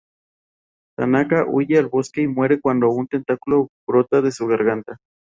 Tanaka huye al bosque y muere cuando un tentáculo brota de su garganta.